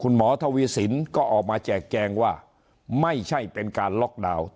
หมอทวีสินก็ออกมาแจกแจงว่าไม่ใช่เป็นการล็อกดาวน์